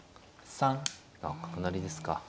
あ角成りですか。